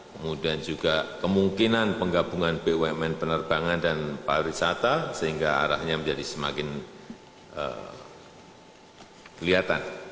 kemudian juga kemungkinan penggabungan bumn penerbangan dan pariwisata sehingga arahnya menjadi semakin kelihatan